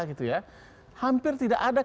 gitu ya hampir tidak ada